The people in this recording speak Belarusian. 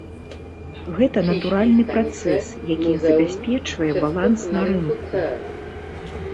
Гэта натуральны працэс, які забяспечвае баланс на рынку.